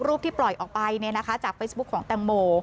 รูปที่ปล่อยออกไปเนี่ยนะคะจากเฟซบุ๊กของแตงโม